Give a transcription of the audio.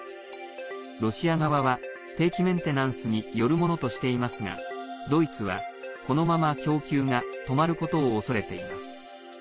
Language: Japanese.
ロシア側は定期メンテナンスによるものとしていますがドイツはこのまま供給が止まることを恐れています。